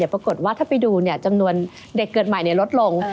ปรากฏว่าถ้าไปดูจำนวนเด็กเกิดใหม่ลดลง